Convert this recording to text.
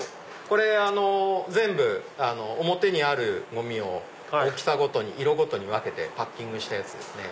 これ全部表にあるゴミを大きさごとに色ごとに分けてパッキングしたやつですね。